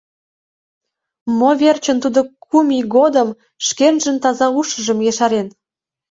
Мо верчын тудо кум ий годым шкенжын таза ушыжым ешарен?